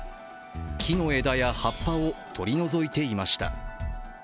木の枝や葉っぱを取り除いていました。